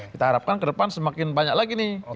kita harapkan ke depan semakin banyak lagi nih